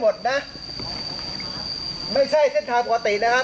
นอกเหลืองอย่างเส้นทางชาวบ้านปกติทุกตารางนิ้วนะครับ